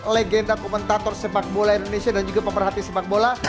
legenda komentator sepak bola indonesia dan juga pemerhati sepak bola